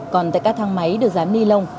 còn tại các thang máy được dán ni lông